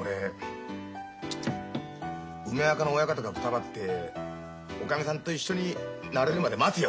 俺梅若の親方がくたばっておかみさんと一緒になれるまで待つよ